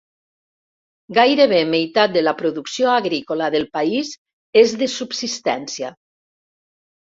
Gairebé meitat de la producció agrícola del país és de subsistència.